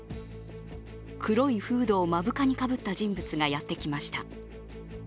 黒いフードを目深にかぶった人物がやってきました。